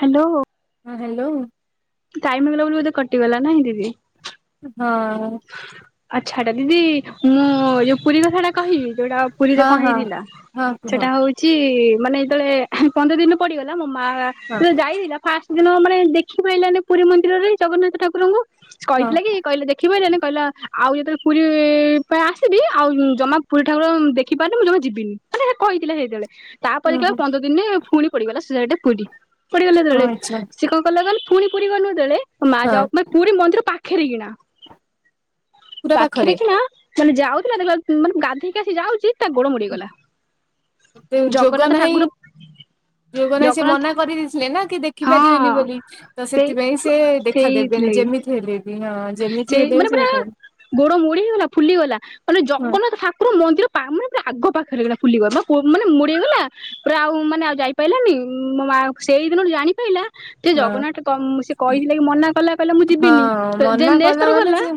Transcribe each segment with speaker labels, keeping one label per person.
Speaker 1: Hello.
Speaker 2: ହଁ hello.
Speaker 1: Time ହେଇଗଲା ବୋଲି ବୋଧେ କଟିଗଲା ନାହିଁ ଦିଦି।
Speaker 2: ହଁ।
Speaker 1: ଆଚ୍ଛା ଏଟା ଦିଦି ମୁଁ ଯୋଉ ପୁରୀ କଥା ଟା କହିବି ଯୋଉଟା ପୁରୀରେ
Speaker 2: ହଁ
Speaker 1: କଣ
Speaker 2: ହଁ
Speaker 1: ହେଇଥିଲା
Speaker 2: ହଁ କୁହ
Speaker 1: ସେଟା ହଉ ଛି ମାନେ ଏତେବେଳେ ପନ୍ଦର ଦିନ ପଡିଗଲା ମୋ ମା
Speaker 2: ହଁ
Speaker 1: ବୋଲେ ଯାଇଥିଲା ଫା ଦିନ ମାନେ ଦେଖିପାଇଲାନି ପୁରୀ ମନ୍ଦିରରେ ଜଗନ୍ନାଥ ଠାକୁରଙ୍କୁ
Speaker 2: ହଁ
Speaker 1: କହିଥିଲା କି କହିଲେ ଦେ ଦେଖିପାରିଲାନି କହିଲା ଆଉ ଏଵେ ପୁରୀ ପାଇଁ ଆସିବି ଆଉ ଜମା ପୁରୀ ଠାକୁର ଦେଖିପାରନି ମୁଁ ଜମା ଯିବିନି। ମାନେ ସେ କହିଥିଲେ ସେଇତେବେଳେ ତାପରେ
Speaker 2: ହୁଁ
Speaker 1: ଦେଖିବ
Speaker 2: ହୁଁ
Speaker 1: ପନ୍ଦର ଦିନରେ ପୁଣି ପଡିଗଲା ସେ ଟି ପୁରୀ ପଡିଗଲା
Speaker 2: ଓ
Speaker 1: ସେତେବେଳେ
Speaker 2: ଆଚ୍ଛା
Speaker 1: ସେ କଣ କଲା କହିଲୁ ପୁଣି ପୁରୀ ଗଲୁ ଯେତେଳେ ମା
Speaker 2: ହଁ
Speaker 1: ଯାଉ ମାନେ ପୁରୀ ମନ୍ଦିର ପାଖେରେ କିନା ପାଖରେ କି ନା ମାନେ ଯାଉଥିଲା ଦେଖ ମାନେ ଗାଧେଇକି ଆସି ଯାଉଛି ତା ଗୋଡ ମୋଡିଗଲା
Speaker 2: ତେ ଯୋଗ
Speaker 1: ଜଗନ୍ନାଥ ଠାକୁର
Speaker 2: ନାହିଁ ଯୋଗ ନାହିଁ ସେ
Speaker 1: ଜଗନ୍ନାଥ
Speaker 2: ମନା କରି ଥିଲେ ନା କି ଦେଖି
Speaker 1: ହଁ
Speaker 2: ପାରିବେନି ବୋଲି ତ
Speaker 1: ସେଇ
Speaker 2: ସେଥିପାଇଁ ସେ ଦେଖାଦେବେନି
Speaker 1: ସେଇଥିଲାଗି
Speaker 2: ଯେମିତି ହେଲେ ବି ହଁ ଯେମିତି
Speaker 1: ସେଇ
Speaker 2: ହେଲେ ବି
Speaker 1: ମାନେ
Speaker 2: ସେ
Speaker 1: ପୁରା
Speaker 2: ଦେଖା ଦେବେନି
Speaker 1: ଗୋଡ ମୋଡି ହେଇଗଲା ଫୁଲିଗଲା ମାନେ
Speaker 2: ହଁ
Speaker 1: ଜଗନ୍ନାଥ ଠାକୁର ମନ୍ଦିର ମାନେ ପୁରା ଆଗ ପାଖରେ କିନା ଫୁଲିଗଲା ମାନେ ମୋଡିଗଲା ପୁରା ଆଉ ମାନେ ଆଉ ଯାଇ ପାରଲାନି ମୋ ମା ସେଇଦିନୁ ଜାଣି ପାଇଲା ସେ
Speaker 2: ହଁ
Speaker 1: ଜଗନ୍ନାଥ ସେ କହିଥିଲେ କି ମନା କଲା କହିଲେ ମୁଁ ଯିବିନି
Speaker 2: ହଁ
Speaker 1: ଯେ
Speaker 2: ମନା
Speaker 1: ନେକ୍ସଟ୍
Speaker 2: କଲା
Speaker 1: ଥର
Speaker 2: ମାନେ
Speaker 1: ଗଲା
Speaker 2: ସେ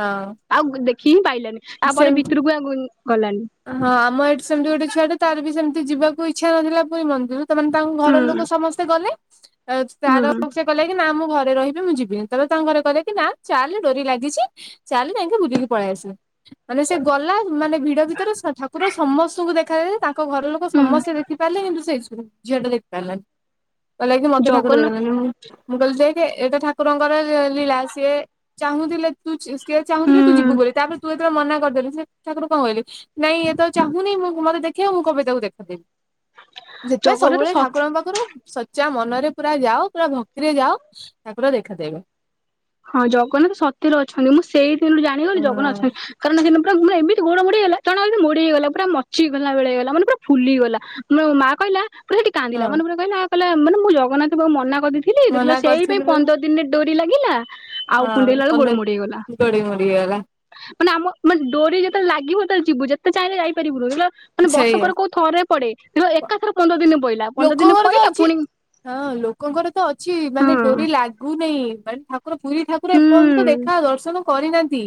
Speaker 2: ହଁ
Speaker 1: ଆଉ ଦେଖି ହିଁ ପାଇଲାନି ତାପରେ
Speaker 2: ସେମିତି
Speaker 1: ଭିତରକୁ ଆଉ ଗ ଗଲାନି
Speaker 2: ହଁ ଆମ ଏଠି ସେମିତି ଗୋଟେ ଛୁଆ ଟେ ତାର ବି ସେମିତି ଯିବାକୁ ଇଚ୍ଛା ନଥିଲା ପୁରୀ ମନ୍ଦିର ସେମାନେ ତାଙ୍କ ଘରର
Speaker 1: ହୁଁ
Speaker 2: ଲୋକ ସମସ୍ତେ ଗଲେ ଆ
Speaker 1: ହୁଁ
Speaker 2: ତାର ସେ କହିଲା କିି ନା ମୁଁ ଘରେ ରହିବି ମୁଁ ଯିବିନି ତାପରେ ତାଙ୍କ ଘରେ କହିଲ କି ନା ଚାଲେ ଡୋରି ଲାଗିଚି ଚାଲେ ଯାଇକି ବୁଲିକି ପଳେଇ ଆସିବା ମାନେ ସେ ଗଲା ମାନେ ଭିଡ ଭିତରେ ଠାକୁର ସମସ୍ତଙ୍କୁ ଦେଖାାଯାଏ। ତାଙ୍କ ଘର ଲୋକ
Speaker 1: ହୁଁ
Speaker 2: ସମସ୍ତେ ଦେଖିପାରିଲେ କିନ୍ତୁ ସେଇ ଝି ଝିଅ ଟା ଦେଖି ପାରିଲାନି। କହିଲା କିି ମତେ ଠାର
Speaker 1: ଜଗନ୍ନା
Speaker 2: ଦେଖାଦେଲେନି ମୁଁ ମୁଁ କହିଲି ଦେ ଏଟା ଠାକୁରଙ୍କର ଲୀଳା ସିଏ ଚାହୁଁଥିଲେ ତୁ ସେିଏ ଚାହୁଁଥିଲେ
Speaker 1: ହୁଁ
Speaker 2: ତୁ ଯିବୁ ବୋଲି ତାପରେ ତୁ ଯେତେବେଳେ ମନା କରିଦେଲିୁ ସେ ତାପରେ କଣ କଲେ ନାଇଁ ଇଏତ ଚାହୁଁନି ମୁଁ ମତେ ଦେଖେଇବ ମୁଁ କବେି ତାକୁ ଦେଖାଦେବି। ସେଥିପାଇଁ
Speaker 1: ଜଗନ୍ନାଥ
Speaker 2: ସବୁବେଳେ
Speaker 1: ସତ
Speaker 2: ଠାକୁରଙ୍କ ପାଖରୁ ସଚା ମନରେ ପୁରା ଯାଅ ପୁରା ଭକ୍ତିରେ ଯାଅ ଠାକୁର ଦେଖାଦେବେ।
Speaker 1: ହଁ ଜଗନ୍ନାଥ ସତରେ ଅଛନ୍ତି ମୁଁ ସେଇ ଦିନୁ ଜାଣିଗଲି ଜଗନ୍ନାଥ
Speaker 2: ହଁ
Speaker 1: ଅଛ କାରଣ ସେ ପୁରା ଏମିତି ଗୋଡ ମୋଡ଼ି ହେଇଗଲା ଜଣ ମୋଡି ହେଇଗଲା ପୁରା ମକଚି ହେଇଗଲା ଭଲିଆ ହେଇଗଲା ମାନେ ପୁର ଫୁଲିଗଲା। ମ ମା କହିଲା ପୁରା ସେଠି କାନ୍ଦିଲା
Speaker 2: ହଁ
Speaker 1: ମାନେ ପ କହିଲା କହିଲ ମାନେ ମୁ ଜଗନାଥଙ୍କୁ ମନା କରି ଦେଇ ଥିଲ ଦେଖିଲା
Speaker 2: ମନା
Speaker 1: ବେଳକୁ ସେଇ
Speaker 2: କରିଥିଲି
Speaker 1: ପାଇଁ
Speaker 2: ବୋଲି
Speaker 1: ପନ୍ଦର ଦିନରେ ଡୋରି ଲାଗିଲା। ଆଉ
Speaker 2: ହଁ
Speaker 1: କୁଣ୍ଡେଇଲାଲୁ ଗୋଡ଼
Speaker 2: ପନ୍ଦର
Speaker 1: ମୋଡ଼ି ହେଇଗଲା
Speaker 2: ଗୋଡି ମୋଡି ହେଇଗଲା
Speaker 1: ମାନେ ଆମ ମାନେ ଡୋରି ଯେତେଳେ ଲାଗିବ ସେତେଳେ ଯିବୁ ଯେତେ ଚାହିଁଲେ ଯାଇପାରିବୁନି ମାନେ
Speaker 2: ସେଇଆ
Speaker 1: ବର୍ଷକରେ କୋଉ ଥରେ ପଡେ ଏକାଥରେ ପନ୍ଦର ଦିନ ପରେ
Speaker 2: ଲୋକଙ୍କର ତ ଅଛି ହଁ ଲୋକଙ୍କର ତ ଅଛି
Speaker 1: ହଁ
Speaker 2: ମାନେ ଡୋରି ଲାଗୁନାହିଁ ମାନେ ଠାକୁ ର ପୁରୀ ଠାକୁର ଏପର୍ଯ୍ୟନ୍ତ
Speaker 1: ହୁଁ।
Speaker 2: ଦେଖା ଦର୍ଶନ କରିନାହାନ୍ତି।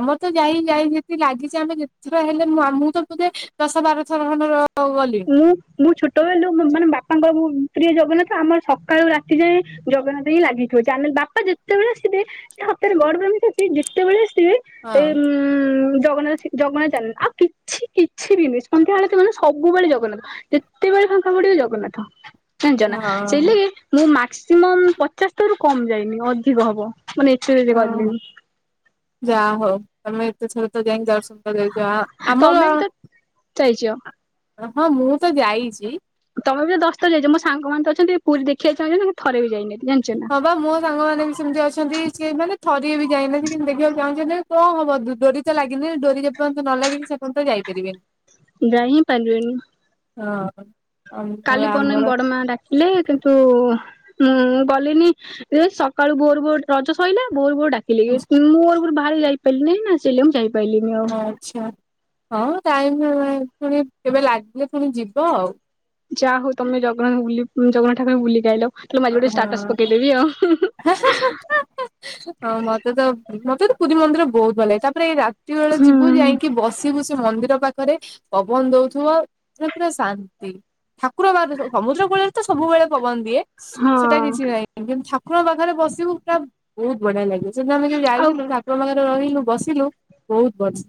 Speaker 2: ଆମର ତ ଯାଇ ଯାଇ ଯେତି ଲାଗିଛି ଆମେ ଯେତେଥର ହେଲେ ମୁ ଆମକୁ ତ ପେ ଦଶ ବାର ଥର ଖଣ୍ଡେ ଗଲି
Speaker 1: ମୁଁ ମୁଁ ଛୋଟବେଳ ମାନେ ବାପାଙ୍କ ପ୍ରିୟ ଜଗନ୍ନାଥ ଆମର ସକାଳୁ ରାତି ଯାଏ ଜଗନ୍ନାଥ ହିଁ ଲାଗି ଆମେ ବାପା ଯେତେବେଳେ ଆସିବେ ସେ ହାତରେ ବଡ ବ୍ରମି ଯେତେବେଳେ ଆସି ଥିବେ ଏ
Speaker 2: ହଁ
Speaker 1: ଉ ଜଗନ୍ନାଥ ଜଗନ୍ନାଥ [inaudible] ଆଉ କିଛି କିଛି ବିି [inaudible] ତ ମାନେ ସବୁ ସବୁବେଳେ ଜଗନ୍ନାଥ ଯେତେବେଳେ ଫାଙ୍କା ପଡିବ ଜଗନ୍ନାଥ ଜାଣିଛ ନା ସେ
Speaker 2: ହଁ
Speaker 1: ଲି ମୁଁ ମାକ୍ସିମମ୍ ପଚାଶ ଥରରୁ କମ ଯାଇନି ଅଧିକ ହବ ମାନେ ଏତେ ଗଲିଣି।
Speaker 2: ଯା ହଉ ତମେ ତ ଥରେ ତ ଯାଇକି ଯାଉଛ। [inaudible] ଆମର
Speaker 1: ତମେ ବି ତ ଯାଇଛ
Speaker 2: [inaudible] ହଁ ମୁଁ ତ ଯାଇଛି
Speaker 1: ତମେ ବି ତ ଦଶ ଥର ଯାଇଚ ମୋ ସାଙ୍ଗମାନେ ତ ଅଛନ୍ତି ପୁରୀ ଦେଖିବାକୁ ଚାହୁଁଛନ୍ତି ଥରେ ବି ଯାଇନି
Speaker 2: ହଁବା ମୁଁ ସାଙ୍ଗମାନେ ବି ସେମିତି ଅଛନ୍ତି ସେମାନେ ଥରିଏବି ଯାଇନାହାନ୍ତି କିନ୍ତୁ ଦେଖିବାକୁ ଚାହୁଁଛନ୍ତି କଣ ହବ ଦର ଡ଼ୋରି ତ ଲାଗିନି ଡୋରି ଯେପର୍ଯ୍ୟନ୍ତ ନ ଲାଗିନି ସେ ପର୍ଯ୍ୟନ୍ତ ଯାଇପରିବେନି।
Speaker 1: ଯାଇ ହିଁ ପାରିବେନି।
Speaker 2: ହଁ ଆମ
Speaker 1: କାଲି ପରଦିନ
Speaker 2: ଆମର
Speaker 1: ବଡ ମା ଡାକିଲେ କିନ୍ତୁ ମୁଁ ଗଲିନି। ସକାଳୁ ଭୋର ଭୋର ରଜ ସଇଲା ଭୋର ଭୋର ଡାକିଲି ମୁଁ ଭୋର ଭୋ ବାହାରି ଯାଇ ପାଇଲିନି ସେଇ ଯୋଗୁ ମୁଁ ଯାଇପାରଲିନି ଆଉ।
Speaker 2: ଆଛା ହଉ ଟାଇମ ପୁଣି କେବେ ଲାଗିଲେ ପୁଣି ଯିବ ଆଉ
Speaker 1: ଯାହା ହୋଉ ତମେ ଜଗନ୍ନା ବୁଲି ଜଗନ୍ନାଥ ଠକୁଙ୍କୁ ବୁଲି କି ଆଇଲ। ତାହାଲେ ମୁଁ ଆଜି ଗୋଟେ ଗୋଟେ ଷ୍ଟାର୍ଟସ ପକେଇଦେବି
Speaker 2: ହଁ
Speaker 1: ଆଉ।
Speaker 2: ହଁ ମତେ ତ ମତେ ତ ପୁରୀ ମନ୍ଦିର ବହୁତ ଭଲ ଲାଗେ ତାପରେ ଏଇ ରାତି ବେଳେ
Speaker 1: ହୁଁ
Speaker 2: ଯିବୁ ଯାଇ କି ବସିିବୁ ସେ ମନ୍ଦିର ପାଖରେ ପବନ ଦୋଉଥିବ ଉଁ ପୁରା ଶାନ୍ତି। ଠାକୁର ମାଦ ସମୁଦ୍ର କୂଳରେ ତ ସବୁବେଳେ ପବନ ଦିଏ
Speaker 1: ହଁ
Speaker 2: ସେଟା କିଛି ନାହିଁ ଠାକୁର ପାଖରେ ବସିବୁ ପା ବହୁ ବଢିଆ ଲାଗେ ସେ ଆମେ ଯୋଉ
Speaker 1: ଆଉ
Speaker 2: ଯାଇଥିଲୁ ଠାକୁର ଙ୍କ ରହିଲୁ ବସିଲୁ ବହୁତ ବର୍ଷ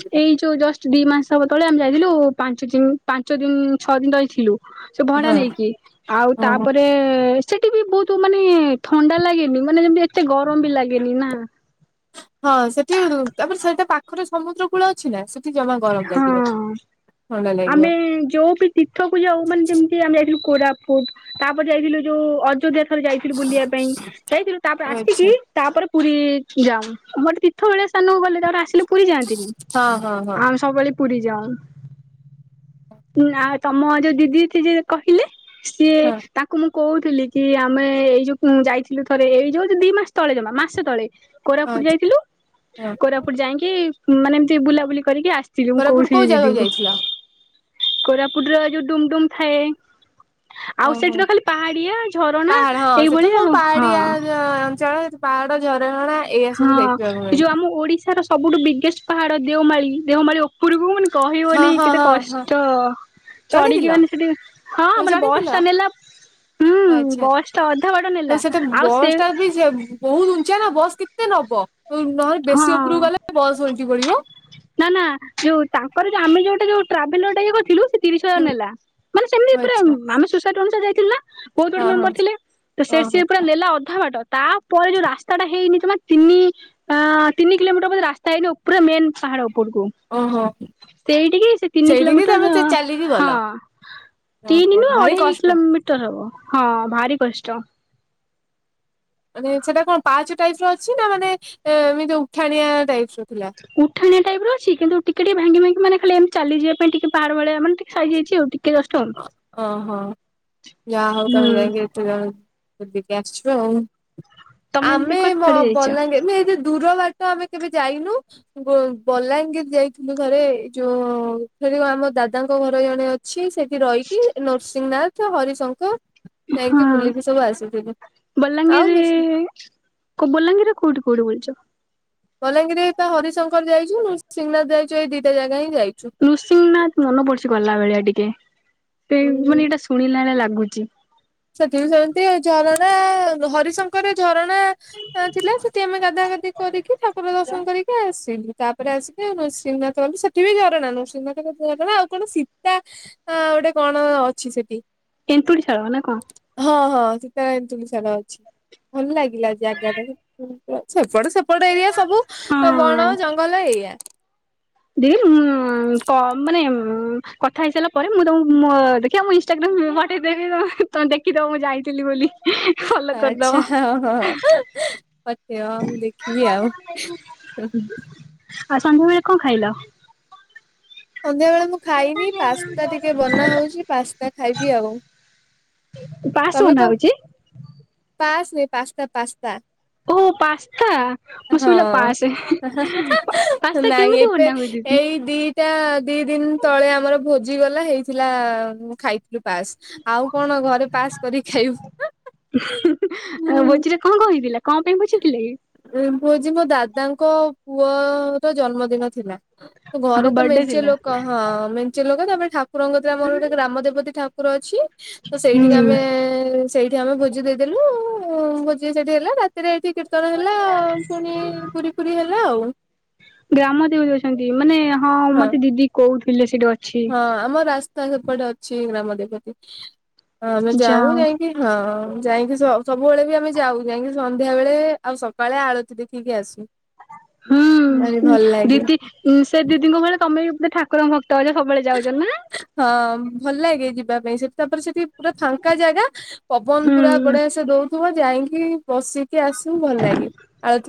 Speaker 1: ଏଇ ଏଇ ଯୋଉ ଜଷ୍ଟ ଦି ମାସ ହବ ତଳେ ଆମେ ଯାଇଥିଲୁ ପାଞ୍ଚ ଦିନ ପାଞ୍ଚ ଦିନ ଛଅ ଦିନ ରହିଥିଲୁ ସେ ଭଡା
Speaker 2: ହଁ।
Speaker 1: ନେଇକି ଆଉ
Speaker 2: ଓହୋ
Speaker 1: ତାପରେ ସେଠି ବି ବହୁତ ମାନେ ଥଣ୍ଡା ଲାଗେନି ମାନେ ଯେମତି ଏତେ ଗରମ ବି ଲାଗେନି ନା।
Speaker 2: ହଁ ସେଠି ତାପରେ ସେଇଟା ପାଖରେ ସମୁଦ୍ର ଫୂଳ ଅଛି ନା ସେଠି ଜମା ଗରମ ଲାଗିବ ଥଣ୍ଡା ଲାଗିବ।
Speaker 1: ହୁଁ ଯୋଉ ଟୁ ତୀର୍ଥକୁ ଯାଉ ମାନେ ଯେମିତି ଆମେ ଯାଇଥିଲୁ କୋରାପୁଟ ତାପରେ ଯାଇଥିଲୁ ଯୋଉ ଅଯୋଧ୍ୟା ଥରେ ଯାଇଥିଲୁ ବୁଲିବା ପାଇଁ ଯାଇଥିଲୁ ତାପରେ
Speaker 2: ଓ ଆଚ୍ଛା।
Speaker 1: ଆସିକି ତାପରେ ପୁରୀ ଯାଉ ମୋରଟେ ତୀର୍ଥ ଭଳିଆ ସ୍ଥାନକୁ ଗଲେ ତାପରେ ଆସିଲେ ପୁରୀ ଯାଆନ୍ତିନି।
Speaker 2: ହଁ ହଁ। ହଁ
Speaker 1: ଆମେ ସବୁବେଳେ ପୁରୀ ଯାଉ ଆଉ ତମ ଯୋଉ ଦିଦି ଥିଜିଏ ଯେ କହିଲେ ସିଏ
Speaker 2: ହଁ
Speaker 1: ତା କୁ ମୁଁ କହୁଥିଲି କି ଆମେ ଏଇ ଯୋଉ ଯାଇଥିଲୁ ଥରେ ଏଇ ଯୋଉ ଦି ମାସ ତଳେ ଜମା ମାସ ତଳେ କୋରାପୁଟ
Speaker 2: ଆଚ୍ଛା
Speaker 1: ଯାଇଥିଲୁ
Speaker 2: ହଁ।
Speaker 1: କୋରାପୁଟ ଯାଇକି ମାନେ ଏମତି ବୁଲାବୁଲି କରିକି ଆ ମୁଁ
Speaker 2: କୋରାପୁଟ
Speaker 1: କହୁଥିଲି
Speaker 2: କୋଉ ଜାଗାକୁ
Speaker 1: ଦିଦିଙ୍କୁ
Speaker 2: ଯାଇଥିଲ?
Speaker 1: କୋରାପୁଟ ର ଯୋଉ ଡୁମଡୁମ ଥାଏ। ଆଉ
Speaker 2: ଓହୋ।
Speaker 1: ସେଠି ତ ଖାଲି ପାହାଡିଆ ଝରଣା
Speaker 2: ପାହାଡ
Speaker 1: ଏଇଭଳିଆ ହଁ।
Speaker 2: ହଁ ଆମ୍ ଚଳଦ୍ ପାହାଡ ଝରଣା ଏଇଆ
Speaker 1: ହଁ
Speaker 2: ସବୁ ଦେଖିବାକୁ
Speaker 1: ଯୋଉ
Speaker 2: ମିଳେ।
Speaker 1: ଆମ ଓଡିଶାର ସବୁଠୁ ବିଗେଷ୍ଟ ପାହାଡ ଦେଓମାଈ ଦେଓମାଳୀ ଓ ପୂର୍ବ ମନ
Speaker 2: ହଁ
Speaker 1: କହିବନି
Speaker 2: ହଁ
Speaker 1: କେତେ
Speaker 2: ହଁ ହଁ
Speaker 1: କଷ୍ଟ
Speaker 2: ଚଢିଥିଲ
Speaker 1: ଚଢିକି ମାନେ ସେଠି ହଁ
Speaker 2: ତମେ
Speaker 1: ମାନେ
Speaker 2: ଚଢିଥିଲ
Speaker 1: ବସଟା ନେଲା
Speaker 2: ଓ
Speaker 1: ହୁଁ
Speaker 2: ଆଚ୍ଛା।
Speaker 1: ବସ ଟା ଅଧା ବାଟ
Speaker 2: ତ
Speaker 1: ନେଲା
Speaker 2: ସେଟା
Speaker 1: ଆଉ
Speaker 2: ବସ୍
Speaker 1: ସେ
Speaker 2: ଟା ବି ଯେ ବହୁତ ଉଞ୍ଚା ନା ବସ୍ କେତେ ନବ ନହେଲେ ବେଶୀ
Speaker 1: ହଁ।
Speaker 2: ଉପରକୁ ଗଲେ ବସ ଓଲଟି ପଡିବ
Speaker 1: ନା ନା ଯୋଉ ତାଙ୍କର ଯୋଉ ଆମେ ଯୋଉଟେ ଯୋଉ ଟ୍ରାଭେଲର ଟା ଇଏ କରିଥିଲୁ ତିରିଶ ହଜାର
Speaker 2: ହୁଁ।
Speaker 1: ନେଲା ମାନେ
Speaker 2: ଓ
Speaker 1: ସେମିତି ପୁରା
Speaker 2: ଆଚ୍ଛା
Speaker 1: ଆମେ ସୁସାଇଟି ଅନୁସାରେ ଯାଇଥିଲ ନା। ବୋହୁତ ଗୁଡ଼େ
Speaker 2: ହଁ ହଁ
Speaker 1: ମେମ୍ବର ଥିଲେ ତ ସେ
Speaker 2: ଓହୋ
Speaker 1: ସିଏ ପୁରା ନେଲା ଅଧା ବାଟ ତାପରେ ଯୋଉ ରାସ୍ତାଟା ହେଇନି ନଥିଲା ତିନି ପା ତିନି କିଲୋମିଟର ହବ ରାସ୍ତା ହେଇନି ଉପରେ ମେନ୍ ପାହାଡ ଉପରକୁ।
Speaker 2: ଓହୋ।
Speaker 1: ସେଇଠିକି ସେ ତିନି
Speaker 2: ସେଇଠିକି
Speaker 1: କିଲୋମିଟର
Speaker 2: ତମେ
Speaker 1: ଯ
Speaker 2: ସେ ଚାଲିକି
Speaker 1: ହଁ
Speaker 2: ଗଲ
Speaker 1: ତିନି
Speaker 2: ଓହୋ
Speaker 1: ନୁହଁ
Speaker 2: ଭାରି
Speaker 1: ଅଢେଇ
Speaker 2: କଷ୍ଟ
Speaker 1: କିଲୋମିଟର ହବ ହଁ ଭାରି କଷ୍ଟ।
Speaker 2: ମାନେ ସେଟା କଣ ପାଞ୍ଚ ଟାଇପ୍ ର ଅଛି ନା ମାନେ ଏମିତି ଉଠାଣିଆ ଟାଇପ୍ ର ଥିଲା?
Speaker 1: ଉଠାଣିଆ ଟାଇପ୍ ର ଅଛି କିନ୍ତ ଟିକେ ଟିକ ଭଙ୍ଗି ଭାଙ୍ଗି ମାନେ ଖା ଏମ ଚାଲିଯିବା ପାଇଁ ଟିକେ ପାହାଡଳିଆ ମାନେ ଟିକେ ସାଇଜି ହେଇଚି ଆଉ। ଟିକେ କଷ୍ଟ ଆଉ।
Speaker 2: ଓହୋ ଯା ହୋଉ ତମେ
Speaker 1: ହୁଁ
Speaker 2: ଯାଇଙ୍କି ଟିରାଣୁ ବୁଲିକି ଆସିଛ ଆଉ।
Speaker 1: ତମେ ଦିଦି କୁଆଡେ କୁଆଡେ ଯାଇଛ?
Speaker 2: ଦୂର ବାଟ ଆମେ କେବେ ଯାଇନୁ। ବଲାଙ୍ଗୀର ଯାଇଥିଲୁ ଥରେ ଯୋଉ ଆମ ଦାଦାଙ୍କ ଘର ଜଣେ ଅଛି ସେଠି ସେ ରହିକି ନୁରସିଂହନାଥ ହରିଶଙ୍କର
Speaker 1: ହଁ
Speaker 2: ଯାଇକି ବୁଲିକି ସବୁ ଆସିଥିଲି ଆଉ ବେଶୀ
Speaker 1: କୋ ବଲାଙ୍ଗୀର କୋଉଠି କୋଉଠି ବୁଲିଚ?
Speaker 2: ବଲାଙ୍ଗୀର ଏଇ ତ ହରିଶଙ୍କର ଯାଇଛୁଁ ଶ୍ରୀଂନାଥ ଯାଇଛୁ ଏଇ ଦିଟା ଜାଗା ହିଁ ଯାଇଛୁ।
Speaker 1: ନୃସିଂହ ନାଥ ମନେ ପଡିଛି ଗଲା ଭଳିଆ ଟିକେ ସେ
Speaker 2: ଉଁ
Speaker 1: ମାନେ ଏଇଟା ଶୁଣିଲାଳିଆ ଲାଗୁଚି।
Speaker 2: ସେଥିବି ସେମିତି ଝରଣା ହରିଶଙ୍କରେ ଝରଣା ମା ଥିଲା ସେଠି ଆମେ ଗାଦ ଗାଦି କରିକି ଠାକୁର ଦର୍ଶନ କରିକି ଆସିଲୁ। ତାପରେ ଆସିକି ନୃସିଂହନାଥ ବୁ ସେଠି ବି ଝରଣା ନୃସିଂହନାଥ ଝରଣା ଆଉ କଣ ସୀତା ହଁ ଗୋଟେ କଣ ଅଛି ସେଠି
Speaker 1: ଏନ୍ତୁଡ଼ିଶାଳ ନା କଣ?
Speaker 2: ହଁ ହଁ ସୀତାରନ ଏମିତି କିଛି ଗୋଟେ ଅଛି। ଭଲ ଲାଗିଲା ଜଗତ ଯେ ସେପଟ ପଟ ଏରିଆ ସବୁ
Speaker 1: ହଁ
Speaker 2: ବଣ ଜଙ୍ଗଲ ଏରିଆ।
Speaker 1: ଦିଦି କମ୍ ମାନେ କଥା ହେଇସାରିଲା ପରେ ମୁଁ ତମକୁ ଦେଖିବା ମୁ ଇନ୍ ମ ଓଟେଇ ଦେବି ତ ଦେଖିଦବ ମୁଁ ଯାଇଥିଲି ବୋଲି ଫଲୋ କରିଦବ
Speaker 2: ଆଚ୍ଛା ହ ହଁ ପଠେଇବ ମୁ ଦେଖିବି ଆଉ
Speaker 1: ଆଉ ସନ୍ଧ୍ୟାବେଳେ କଣ ଖାଇଲ?
Speaker 2: ସନ୍ଧ୍ୟାବେଳେ ମୁଁ ଖାଇନି ପାସ୍ତା ଟିକେ ବନା ହଉଛି ପାସ୍ତା ଖାଇବି ଆଉ
Speaker 1: ପାସ୍
Speaker 2: ତମେ
Speaker 1: ବନା
Speaker 2: କଣ
Speaker 1: ହଉଛି
Speaker 2: ପାସ୍ ନ ପାସ୍ତା ପାସ୍ତା।
Speaker 1: ଓ ପାସ୍ତା ମୁଁ ଶୁଣିଲା
Speaker 2: ହଁ
Speaker 1: ପାସେ ପାସ୍ତା
Speaker 2: ନାଇଁ
Speaker 1: କେମିତି
Speaker 2: ଏବେ
Speaker 1: ବନା ହୁଏ ଦିଦି?
Speaker 2: ଏଇ ଦି ଦି ଦିନ ତଳେ ଆମର ଭୋଜି ଗଲା ହେଇଥିଲା ଖାଇଥିଲୁ। ପାସ୍ ଆଉ କଣ ଘରେ ପାସ୍ କର ଖାଇବୁ
Speaker 1: କଣଥିଲା କଣ ପାଇଁ ବୁଝିଥିଲେ କି?
Speaker 2: ଉ ହୁଉଛି ମୋ ଦାଦାଙ୍କ ପୁଅ ର ଜନ୍ମଦିନ ଥିଲା। ଘରେ
Speaker 1: ହଁ
Speaker 2: ତ
Speaker 1: ବର୍ଥଡେ
Speaker 2: ମେନ୍ଚେ
Speaker 1: ଥିଲା
Speaker 2: ଲୋକ ହଁ। ମେଞ୍ଚେ ଲୋକ ତାପରେ ଠାକୁରଙ୍କ ଦଵା ଆମର ଗୋଟେ ଗ୍ରାମ ଦେବତୀ ଠାକୁର ଅଛି ତ ସେଇଠିକି ଆମେ
Speaker 1: ହୁଁ।
Speaker 2: ସେଇଠି ଆମେ ଭୋଜି ଦେଇଦେଲୁ ଭୋଜି ସେଇଠି ହେଲା ରାତିରେ ଏଇଠି କୀର୍ତ୍ତନ ହେଲା ଆ ପୁଣି ପୁରୀ ପୁୀ ହେଲା ଆଉ
Speaker 1: ଗ୍ରାମ ଦେବି ଅଛନ୍ତି ମାନେ ହଁ ମତେ ଦିଦି କୋହୁଥିଲେ ସେଠି ଅ
Speaker 2: ହଁ ଆମ ରାସ୍ତା ସେପଟେ ଅଛି ଗ୍ରାମ ଦେବତି ଆମେ
Speaker 1: ଯା
Speaker 2: ଯାଉ ଯାଇକି ହଁ ଯାଇକି ସବୁବେଳେ ବି ଆମେ ଯାଉ ଯାଇକି ସନ୍ଧ୍ୟା ବେଳେ ଆଉ ସକାଳେ ଆଳତି ଦେଖିକି ଆସୁ। ଭାରି
Speaker 1: ହୁଁ
Speaker 2: ଭଲ ଲାଗେ
Speaker 1: ଦିଦି ସେ ଦିଦିଙ୍କ ଭଳି ତମେ ବିେ ଠାକୁରଙ୍କ ଭ ତ ଯେ ସବୁବେଳେ ଯାଉଛ ନା।
Speaker 2: ହଁ ଭଲ ଲାଗେ ଯିବା ପାଇଁ ସେଠି ତାପରେ ସେଠି ପୁରା ଫାଙ୍କା ଜାଗା। ପବନ
Speaker 1: ହୁଁ
Speaker 2: ପୁରା ବଢ଼ିଆସେ ଦଉଥିବ ଯାଇକି ବସ କି ଆସିବୁ ଭଲ ଲାଗେ ଆଉ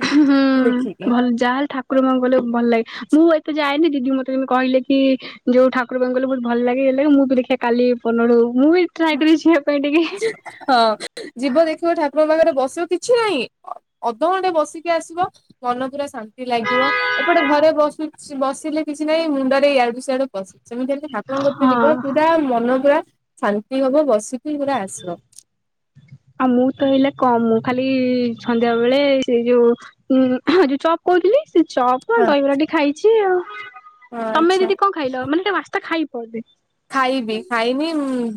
Speaker 2: ଦେଖିକି।
Speaker 1: ଯାହାେଲେ ଠାକୁର ମଙ୍କୁ ଗଲେ ଭଲ ଲାଗେ ମୁଁ ଏତେ ଯାଏନି ଦିଦି ମତେ କେମିତି କହିଲେ କି ଯୋଉ ଠାକୁର ବା କଲେ ବହୁତ ଭଲ ଲାଗେଇ ମୁଁ ବି ଦେଖିବା କାଲି ପନଳୁ ମୁଁ ବି ଟ୍ରାଏ କରିବି ଯିବା ପାଇଁ ଟିକେ
Speaker 2: ହଁ ଯିବ ଦେଖିବ ଠାକୁର ପାଖରେ ବସିବ କିଛି ନାହିଁ ଅଧ ଘଣ୍ଟେ ବସିକି ଆସିବ। ମନ ପୁରା ଶାନ୍ତି ଲାଗିବ ଏପଟେ ଘରେ ବସ ବସିଲେ କିଛି ନାହିଁ ମୁଣ୍ଡ ରେ ଇଆଡୁ ସିଆଡୁ ପଶି ସେମିତି ହେଲେ ଆପଣଙ୍କରେ ଜୀବ
Speaker 1: ହଁ।
Speaker 2: ଯୁଟା ମନ ପୁରା ମନ ପୁରା ଶାନ୍ତି ହବ ବସିକି ପୁରା ଆସିବ। [inaudible]
Speaker 1: ଆଉ ମୁଁ ତ ହେଲେ କମ ଖାଲି ସନ୍ଧ୍ୟା ବେଳେ ସେଇ ଯୋଉ ଉଁ ହଁ ଯୋଉ ଚପ୍ କହୁଥିଲି ସେ ଚପ୍ କଣ
Speaker 2: ହଁ
Speaker 1: ଦହିବରାଟି ଖାଇଚି ଆଉ
Speaker 2: ହଁ
Speaker 1: ତମେ
Speaker 2: ଆଚ୍ଛା
Speaker 1: ଦିଦି କଣ ଖାଇଲ ମାନେ ଟିକେ ବାସ୍ତା ଖାଇବ ଏବେ।
Speaker 2: ଖାଇବି ଖାଇନି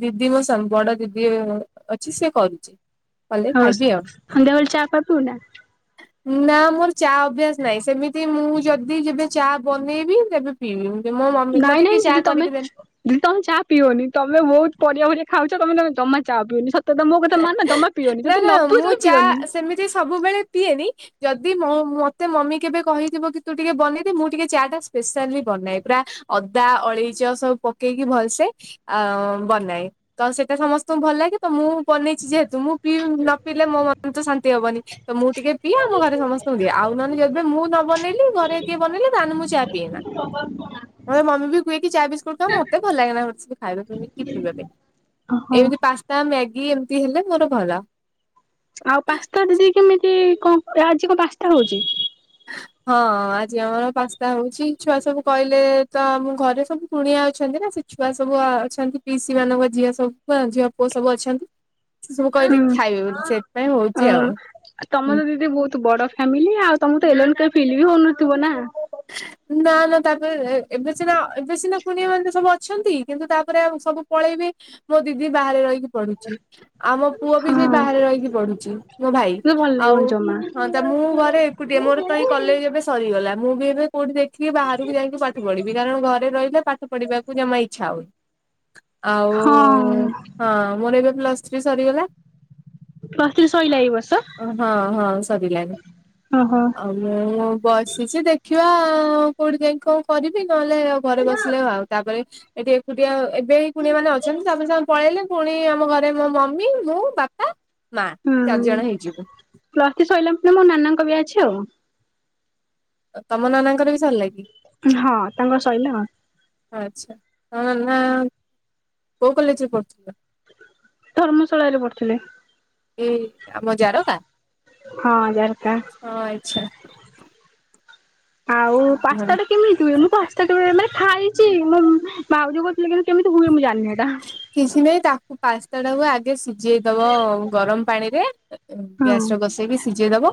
Speaker 2: ଦିଦି ମୋ ବଡ଼ ଦିଦି ଅଛି ସେ କରୁଚି
Speaker 1: ହ ସ ସନ୍ଧ୍ୟା ବେଳେ ଚା ଫା ପିଉନା
Speaker 2: ନା ମୋର ଚା ଅଭ୍ୟାସ ନାହିଁ ସେମିତି ମୁଁ ଯଦି ଯେବେ ଚା ବନେଇବି ତେବେ ପିଇବି ମୋ ମମି ମତେ କିଏ ଚା କରିକି ଦେ
Speaker 1: ଦଦି ତମେ ଚା ପିଅନି ତମେ ବହୁତ ପରିବା ଫରିବା ଖାଉଚ ତମେ ତମେ ଜମା ଚା ପିଅନି ସତ ତ ମୋ କଥା ମାନ ଜମା ପିଅନି
Speaker 2: ନା
Speaker 1: ଯଦି
Speaker 2: ନା
Speaker 1: ନ
Speaker 2: ମୁଁ
Speaker 1: ପିଉଚ
Speaker 2: ଚା
Speaker 1: ପିଅନି।
Speaker 2: ସେମିତି ସବୁବେଳେ ପିଏନି ଯଦି ମତେ ମମି କେବେ କହିଥିବ କି ତୁ ଟିକେ ବନେଇଦେ ମୁଁ ଟିକେ ଚା ଟା ସ୍ପେଶାଲ ବି ବନାଏ ପୁରା ଅଦା ଅଳେଇଚ ସବୁ ପକେଇକି ଭଲସେ ଆ ବନାଏ ତ ସେଇଟା ସମସ୍ତଙ୍କୁ ଭଲ ଲାଗେ ତ ମୁଁ ବନେଇଛି ଯେହେତୁ ମୁଁ ପିଉ ନ ପିଇଲେ ମୋ ମନ ତ ଶାନ୍ତି ହବନି। ତ ମୁଁ ଟିକେ ପିଏ ଆମ ଘରେ ସମସ୍ତଙ୍କୁ ଦିଏ ଆଉ ନହେଲେ ଯେବେ ମୁଁ ନ ବନେଇଲି ଘରେ କିଏ ବନେଇଲେ ତାହେନେ ମୁଁ ଚା ପିଏନି।
Speaker 1: [unintelligible]
Speaker 2: ମତେ ମମି ବି କୁଏ କିି ଚା ବିସ୍କୁଟ ଖା ମତେ ଭଲ ଲାଗେନା [unintelligible] ଖାଇବା ପାଇଁ କି କି ପିଇବା ପାଇଁ।
Speaker 1: ଓହୋ।
Speaker 2: ତ ମ୍ୟାଗି ଏମିତି ହେଲେ ମୋର ଭଲ।
Speaker 1: ଆଉ ପାସ୍ତା ଦିଦି କେମିତି କଣ ଆଜି କଣ ପାସ୍ତା ହଉଚି?
Speaker 2: ହଁ ଆଜି ଆମର ପାସ୍ତା ହଉଚି ଛୁଆ ସବୁ କହିଲେ ତ ଆମ ଘରେ ସବୁ କୁଣିଆ ଅଛନ୍ତି ନା ସେ ଛୁଆ ସବୁ ଅଛନ୍ତି ପିଇସି ମାନଙ୍କ ଝିଅ ସବୁ ଝିଅ ପୁଅ ସବୁ ଅଛନ୍ତି। ସେ ସବୁ
Speaker 1: ହୁଁ
Speaker 2: କହିଲେ କି ଖାଇବେ ବୋଲି ସେଥିପାଇଁ ହଉଚି ଆଉ।
Speaker 1: ଆଉ ତମର ତ ଦିଦି ବହୁତୁ ବଡ଼ ଫ୍ୟାମିଲି ଆଉ ତମକୁ ତ ଏଲନ କେବେ ଫିଲ୍ ବି ହଉନଥିବ ନା!
Speaker 2: [unintelligible] ନା ନା ତାପରେ ଏ ଏବେ ସିନା ଏବେ ସିନା କୁଣିଆ ମାନେ ସବୁ ଅଛନ୍ତି କିନ୍ତୁ ତାପରେ ଆଉ ସବୁ ପଳେଇବେ ମୋ ଦିଦି ବାହାରେ ରହିିକି ପଢୁଛି ଆଉ ଆମ ପୁଅ ବି
Speaker 1: ହଁ
Speaker 2: ସେଇ ବାହାରେ ରହିକି ପଢୁଛି ମୋ ଭାଇ
Speaker 1: କିନ୍ତୁ ଭଲ
Speaker 2: ଆଉ
Speaker 1: ଲାଗିବନି ଜମା।
Speaker 2: ହଁ ତ ମୁଁ ଘରେ ଏକୁଟିଏ ମୋର ତ ଏଇ କଲେଜ୍ ଏବେ ସରିଗଲା ମୁଁ ବି ଏବେ କୋଉଠି ଦେଖିକି ବାହାରକୁ ଯାଇକି ପାଠ ପଢିବି କାରଣ ଘରେ ରହିଲେ ପାଠ ପଢିବାକୁ ଜମା ଇଚ୍ଛା ହଉନି।
Speaker 1: ହଁ
Speaker 2: ଆଉ ହଁ ମୋର ଏବେ ପ୍ଲସ୍ ଥ୍ରୀ ସରିଗଲା।
Speaker 1: ପ୍ଲସ୍ ଥ୍ରୀ ସଇଲା ଏଇ ବର୍ଷ?
Speaker 2: ହଁ ହଁ ସରିଲାଣି
Speaker 1: ଓହୋ
Speaker 2: ଆଉ ମୁଁ ବସିଛି ଦେଖିବା ଆଉ କୋଉଠି ଯାଇକି କନ୍ କରିବି ନହେଲେ ଆଉ ଘରେ ବସିଲେ ଆଉ ତାପରେ ଏଠି ଏକୁଟିଆ ଏବେ ହି କୁଣିଆ ମାନେ ଅଛନ୍ତି ତାପରେ ସେମାନେ ପ ପଳେଇଲେ ପୁଣି ଆମ ଘରେ ମୋ ମମି, ମୁଁ, ବାପା, ମା ଚାରି
Speaker 1: ହୁଁ
Speaker 2: ଜଣ ହେଇଯିବୁ।
Speaker 1: ପ୍ଲସ୍ ଥ୍ରି ସଇଲା ମାନେ ମୋ ନାନାଙ୍କ ବ୍ୟାଚ୍ ଆଉ।
Speaker 2: ଓ ତମ ନାନାଙ୍କର ବି ସରିଲା କି?
Speaker 1: ହଁ ତାଙ୍କର ସଇଲା।
Speaker 2: ଆଚ୍ଛା ହଁ ନା କୋଉ କଲେଜ୍ ରେ ପଢୁଥିଲେ?
Speaker 1: ଧର୍ମଶାଳାରେ ପଢୁଥିଲେ।
Speaker 2: ଏଇ ଆମ ଜାରକା ହଁ ଆଛା।
Speaker 1: ଆଉ ପାସ୍ତା ଟା କେମିତି ହୁଏ ମୁଁ ପାସ୍ ସ୍ତା କେବେ ମାନେ ଖାଇଚି ମୋ ଭାଉଜ କହୁଥିଲେ କିନ୍ତୁ କେମିତି ହୁଏ ମୁଁ ଜାଣିନି ହେଇଟା।
Speaker 2: କିଛି ନାହିଁ ତାକୁ ପାସ୍ତାଟା କୁ ଆଗେ ସିଝେଇ ଦବ ଗରମ ପାଣିରେ
Speaker 1: ହଁ
Speaker 2: ଗ୍ୟାସ ରେ ବଷେଇ ବି ସିଜେଇ ଦବ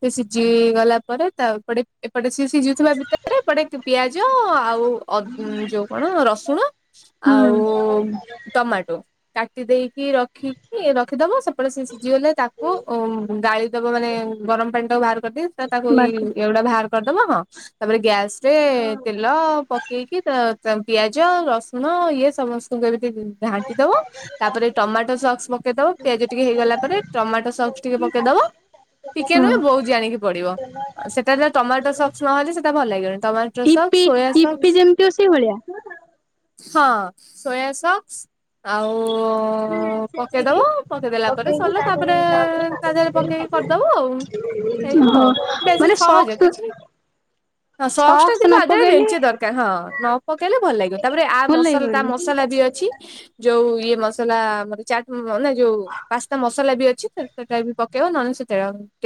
Speaker 2: ସେ ସିଝି ଗଲା ପରେ ତା ଏପଟେ ଏପଟେ ସିଏ ସିଝୁଥିବା ଭିତରେ ଏପଟେ ପିଆଜ ଆଉ ଉ ଅଦ ଉଁ ଯୋଉ କଣ ରସୁଣ
Speaker 1: ହୁଁ
Speaker 2: ଆଉ ଟମାଟୋ କାଟି ଦେଇକି ରଖ ରଖିକି ରଖିଦବ ସେପଟେ ସିଏ ସିଝିଗଲେ ତାକୁ ଉଁ ଗାଳି ଦବ ମାନେ ଗରମ ପାଣିତକ ବାହାର କରିଦେଇ ତାକୁ ଇ
Speaker 1: ବାଗ
Speaker 2: ଏଗୁଡା ବାହାର କରିଦବ ହଁ ତାପରେ ଗ୍ୟାସ ରେ ତେଲ ପ ହେଇକି ତ ତ ପିଆଜ ରସୁଣ ଇଏ ସମସ୍ତଙ୍କୁ ଏମିତି ଘାଣ୍ଟି ଦବ ତାପରେ ଟମାଟୋ ସକ୍ସ ପକେଇଦବ ପିଆଜ ଟିକେ ହେଇଗଲା ପରେ ଟମାଟୋ ସକ୍ସ ଟିକେ ପକେଇଦବ ଟିକେ
Speaker 1: ହଁ
Speaker 2: ନୁହେଁ ବହୁତ ଜାଣିକି ପଡିବ। ଆ ସେଟା ଯା ଟମାଟୋ ସସ୍ସ ନହେଲେ ସେଇଟା ଭଲ ଲାଗିବନି ଟମାଟୋ
Speaker 1: ଇପି
Speaker 2: ସକ୍ସ ସୋୟା
Speaker 1: ଇପି
Speaker 2: ସକ୍ସ
Speaker 1: ଯେମିତି ଅ ସେଇ ଭଳିଆ?
Speaker 2: ହଁ ସୋୟା ସକ୍ସ ଆଉ ପକେଇଦବ ପକେଇଦଲା ପରେ ସରିଲା ତାପରେ ତାଦେହରେ ପକେଇ କରିଦବ ଆଉ ହେଇଗଲା
Speaker 1: ହଁ
Speaker 2: ଆଉ ବେଶୀ
Speaker 1: ମାନେ
Speaker 2: ସହଜ
Speaker 1: ସକ୍ସ
Speaker 2: କିଛି ବି ହଁ ସକ୍ସ ଟା କିନ୍ତୁ ଆ
Speaker 1: ନ
Speaker 2: ଦେହେରେ
Speaker 1: ପକେଇଲେ
Speaker 2: ମେଞ୍ଚେ ଦରକାର ହଁ ନ ପକେଇଲେ ଭଲ ଲାଗିବନି ତାପରେ ଆ
Speaker 1: ଭଲ
Speaker 2: ମସ ତା ମସଲା ବି ଅଛି
Speaker 1: ଲାଗିବନି।
Speaker 2: ଯୋଉ ଇଏ ମସଲା ଆମର ଚାଟ ମ ନାଇଁ ଯୋଉ ପାସ୍ତା ମସଲା ବି ଅଛି ସେଟା ବି ପକେଇବ ନହେଲେ ସେତେଳେ [unintelligible]